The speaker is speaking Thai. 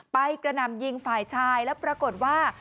กระหน่ำยิงฝ่ายชายแล้วปรากฏว่า